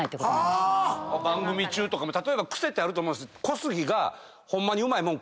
番組中とかも例えば癖ってあると思うんです。